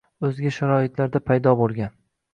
o‘zga sharoitlarda paydo bo‘lgan